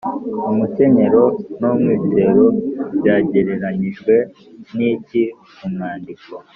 umukenyero n’umwitero byagereranyijwe n’iki mu mwandiko?